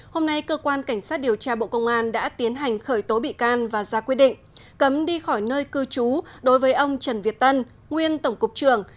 hôm nay cơ quan cảnh sát điều tra bộ công an đã tiến hành khởi tố bị can và ra quyết định cấm đi khỏi nơi cư trú đối với ông trần việt tân nguyên tổng cục trường